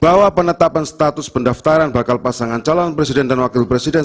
bahwa penetapan status pendaftaran bakal pasangan calon presiden dan wakil presiden